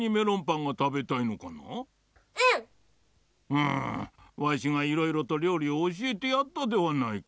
うんわしがいろいろとりょうりをおしえてやったではないか。